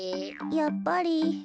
やっぱり。